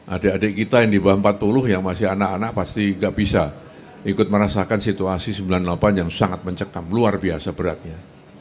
adik adik kita yang di bawah empat puluh yang masih anak anak pasti nggak bisa ikut merasakan situasi sembilan puluh delapan yang sangat mencekam luar biasa beratnya